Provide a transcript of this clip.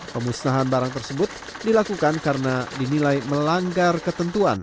pemusnahan barang tersebut dilakukan karena dinilai melanggar ketentuan